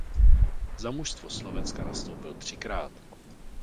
Za mužstvo Slovenska nastoupil třikrát.